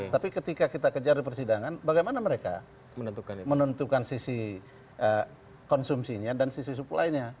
tapi ketika kita kejar di persidangan bagaimana mereka menentukan sisi konsumsinya dan sisi supply nya